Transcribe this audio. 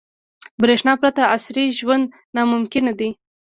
• برېښنا پرته عصري ژوند ناممکن دی.